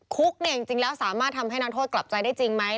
คุกเนี่ยจริงแล้วสามารถทำให้นักโทษกลับใจได้จริงไหม